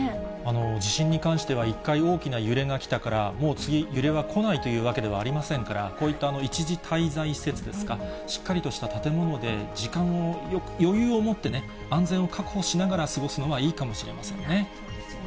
地震に関しては、一回大きな揺れが来たから、もう次、揺れは来ないというわけではありませんから、こういった一時滞在施設ですか、しっかりとした建物で、時間を、余裕を持ってね、安全を確保しながら過ごすのはいいかもしれませんね。